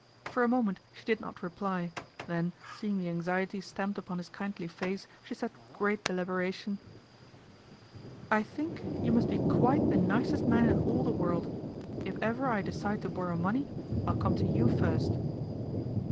For a moment she did not reply, then seeing the anxiety stamped upon his kindly face, she said with great deliberation :" I think you must be quite the nicest man in all the world. If ever I decide to borrow money I'll come to you first."